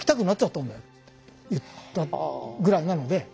言ったぐらいなので。